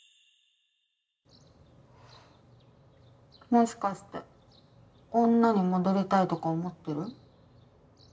もしかして女に戻りたいとか思ってる？